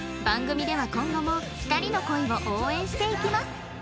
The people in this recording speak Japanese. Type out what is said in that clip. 番組では今後も２人の恋を応援していきます